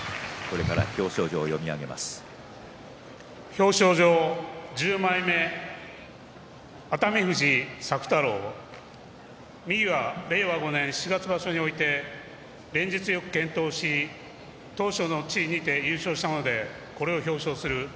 表彰状十枚目熱海富士朔太郎右は令和５年七月場所において連日よく健闘し頭書の地位にて優勝したのでこれを表彰する。